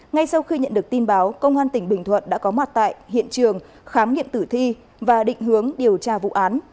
ngay sau khi nhận được tin báo công an tỉnh bình thuận đã có mặt tại hiện trường khám nghiệm tử thi và định hướng điều tra vụ án